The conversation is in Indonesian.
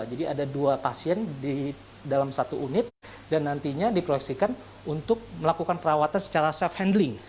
jadi ada dua pasien di dalam satu unit dan nantinya diproyeksikan untuk melakukan perawatan secara self handling